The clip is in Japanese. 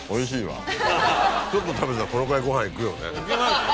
ちょっと食べたらこのくらいご飯いくよね。